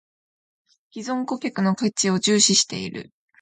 ① 既存顧客の価値を重視している